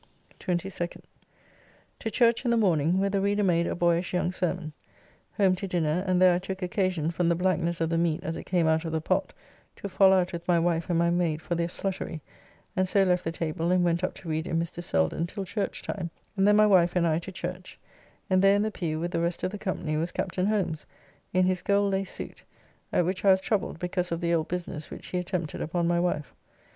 22nd. To church in the morning, where the Reader made a boyish young sermon. Home to dinner, and there I took occasion, from the blacknesse of the meat as it came out of the pot, to fall out with my wife and my maid for their sluttery, and so left the table, and went up to read in Mr. Selden till church time, and then my wife and I to church, and there in the pew, with the rest of the company, was Captain Holmes, in his gold laced suit, at which I was troubled because of the old business which he attempted upon my wife.